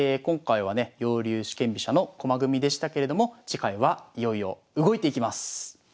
今回はね耀龍四間飛車の駒組みでしたけれども次回はいよいよ動いていきます。